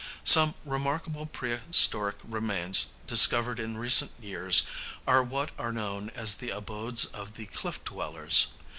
Some remarkable prehistoric remains discovered in recent years are what are known as the abodes of the 'cliff dwellers'.